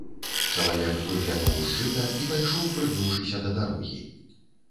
Чалавек выглянуў з жыта і пайшоў, прыгнуўшыся, да дарогі.